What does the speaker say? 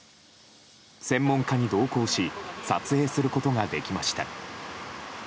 専門家に同行し撮影することができました。